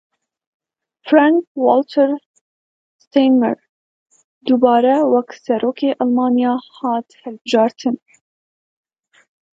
Frank Walter Steinmeier dubare wek Serokê Almanyayê hat hilbijartin.